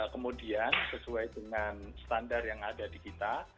kemudian sesuai dengan standar yang ada di kita